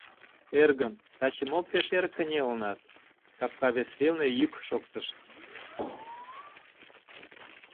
— Эргым, таче мо пеш эр кынелынат? — капка вес велне йӱк шоктыш.